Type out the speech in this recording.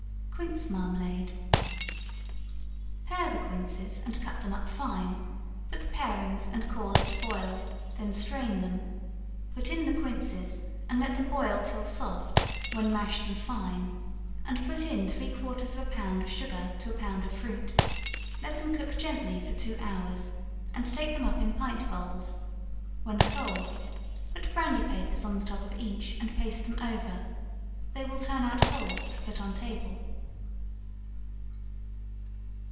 Quince Marmalade. Pare the quinces and cut them up fine, put the parings and cores to boil, then strain them, put in the quinces, and let them boil till soft when mash them fine, and put in three quarters of a pound of sugar to a pound of fruit, let them cook gently for two hours, and take them up in pint bowls; when cold, put brandy papers on the top of each, and paste them over, they will turn out whole to put on table.